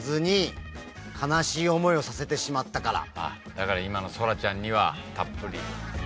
だから今のソラちゃんにはたっぷり。